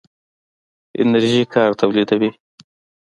انرژي کار تولیدوي.